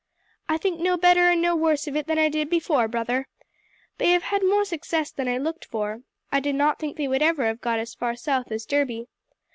"I think no better and no worse of it than I did before, brother. They have had more success than I looked for. I did not think they would ever have got as far south as Derby.